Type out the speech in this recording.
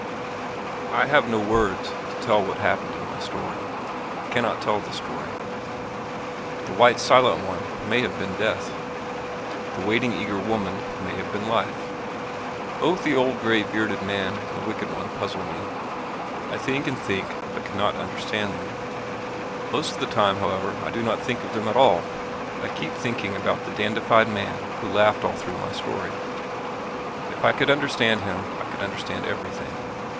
I have no words to tell what happened in my story. I cannot tell the story. The white silent one may have been Death. The waiting eager woman may have been Life. Both the old grey bearded man and the wicked one puzzle me. I think and think but cannot understand them. Most of the time however I do not think of them at all. I keep thinking about the dandified man who laughed all through my story. If I could understand him I could understand everything.